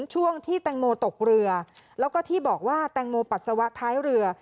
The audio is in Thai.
ช่วงที่แตงโมตกเรือแล้วก็ที่บอกว่าแตงโมปัสสาวะท้ายเรือ